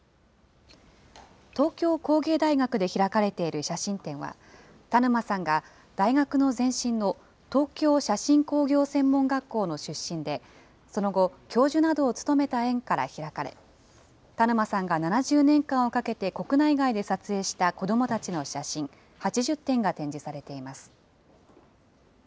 東京工芸大学で開かれている写真展は、田沼さんが大学の前身の東京写真工業専門学校の出身で、その後、教授などを務めた縁から開かれ、田沼さんが７０年間をかけて国内外で撮影した子どもたちの写真８０点が展示されています。